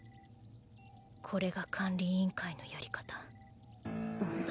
これが管理委員会のやり方。